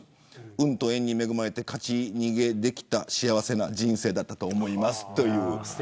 運と縁に恵まれて勝ち逃げできた幸せな人生だったと思いますと。